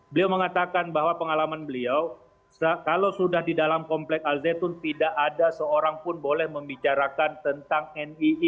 beliau mengatakan bahwa pengalaman beliau kalau sudah di dalam komplek al zaitun tidak ada seorang pun boleh membicarakan tentang nii